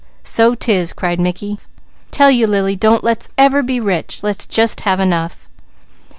"So 'tis!" cried Mickey. "Tell you Lily, don't let's ever be rich! Let's just have enough."